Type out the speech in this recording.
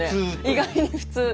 意外に普通。